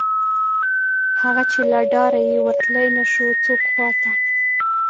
هغه، چې له ډاره یې ورتلی نشو څوک خواته